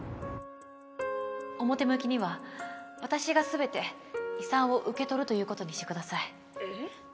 表向きには私が全て遺産を受け取るということにしてくださいえ？